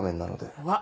うわっ！